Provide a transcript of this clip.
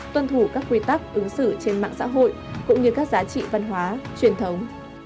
tuân thủ các quy tắc ứng xử trên mạng xã hội cũng như các giá trị văn hóa truyền thống